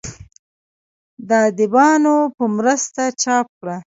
د اديبانو پۀ مرسته چاپ کړه